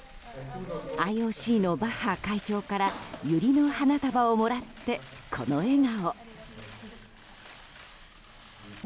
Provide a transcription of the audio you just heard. ＩＯＣのバッハ会長からユリの花束をもらってこの笑顔。